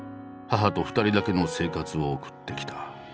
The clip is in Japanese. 母と２人だけの生活を送ってきた。